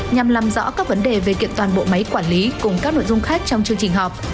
nhằm làm rõ các vấn đề về kiện toàn bộ máy quản lý cùng các nội dung khác trong chương trình họp